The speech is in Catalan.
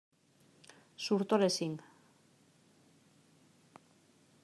Surto a les cinc.